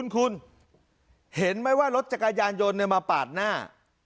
คุณเห็นไหมว่ารถจักรยานยนต์มาปาดหน้า